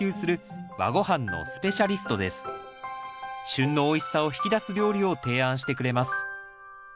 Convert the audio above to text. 旬のおいしさを引き出す料理を提案してくれます